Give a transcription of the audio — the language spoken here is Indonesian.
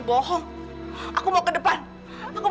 aku mau liat kedepan zek